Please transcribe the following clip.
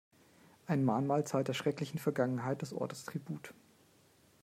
Ein Mahnmal zollt der schrecklichen Vergangenheit des Ortes Tribut.